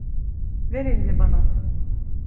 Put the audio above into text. Ver elini bana.